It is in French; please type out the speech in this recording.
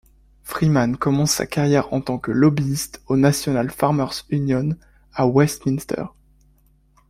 Freeman commence sa carrière en tant que lobbyiste au National Farmers Union à Westminster.